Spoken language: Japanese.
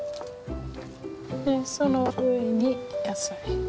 でその上に野菜。